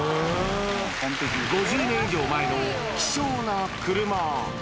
５０年以上前の希少な車。